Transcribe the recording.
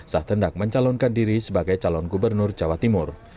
saat tendak mencalonkan diri sebagai calon gubernur jawa timur